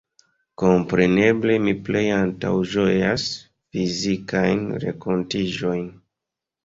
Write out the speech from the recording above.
Kompreneble mi plej antaŭĝojas fizikajn renkontiĝojn.